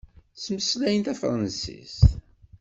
Ttmeslayen tafṛansist.